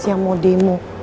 yang mau demo